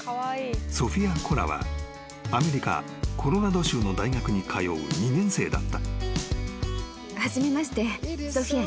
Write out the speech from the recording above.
ソフィア・コラはアメリカコロラド州の大学に通う２年生だった］